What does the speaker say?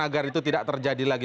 agar itu tidak terjadi lagi